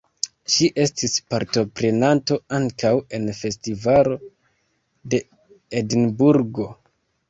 Ŝi estis partoprenanto ankaŭ en festivalo de Edinburgo.